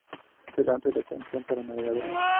Se lanza la extensión para navegador.